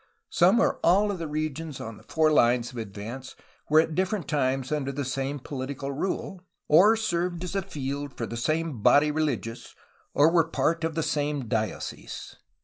Some or all of the regions along the four lines of advance were at different times under the same political rule, or served as a field for the same body of religious, or were part of the same diocese.